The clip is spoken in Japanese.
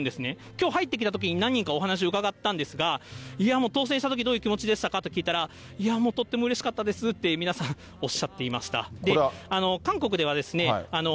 きょう入ってきたときに何人かお話伺ったんですが、いや、もう、当せんしたとき、どういう気持ちでしたかと聞いたら、とってもうれしかったですって、皆さんおっしゃっていました。